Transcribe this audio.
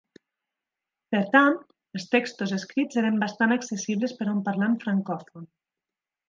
Per tant, els textos escrits eren bastant accessibles per a un parlant francòfon.